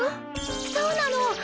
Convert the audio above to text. そうなの！